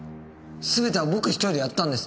すべては僕１人でやったんです。